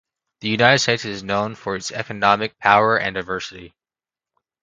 The United States is known for its economic power and diversity.